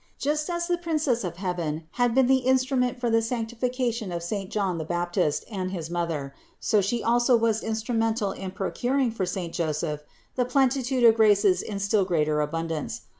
Just as the Princess of heaven had been the instrument for the sanc tification of saint John the Baptist and his mother, so She also was instrumental in procuring for saint Joseph the plenitude of graces in still greater abundance.